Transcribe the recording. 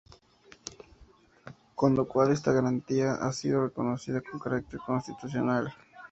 Con lo cual esta garantía ha sido reconocida con carácter constitucional.